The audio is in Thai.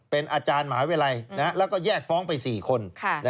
เป็นอาจารย์หมาวิรัยและแยกฟ้องไป๔คน